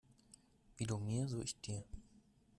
Wie du mir, so ich dir.